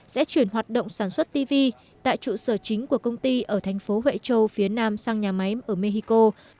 sẽ chuyển hoạt động sản xuất tv tại trụ sở chính của công ty ở thành phố huệ châu phía nam sang nhà máy ở mexico